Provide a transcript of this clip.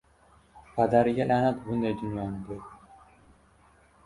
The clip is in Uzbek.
Padariga la’nat bunday dunyoni, dedim.